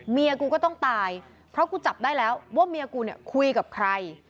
เมียกูก็ต้องตายเพราะกูจับได้แล้วว่าเมียกูเนี่ยคุยกับใคร